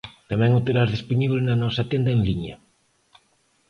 Tamén o terás dispoñíbel na nosa tenda en liña.